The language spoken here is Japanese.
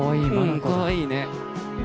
うんかわいいね。